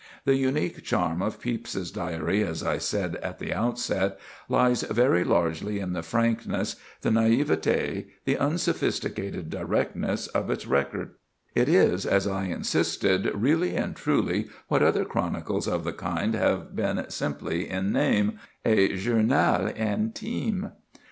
The unique charm of Pepys's Diary, as I said at the outset, lies very largely in the frankness, the naïveté, the unsophisticated directness of its record; it is, as I insisted, really and truly what other chronicles of the kind have been simply in name, a journal intime.